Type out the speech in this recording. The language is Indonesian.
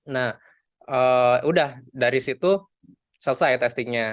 nah udah dari situ selesai testingnya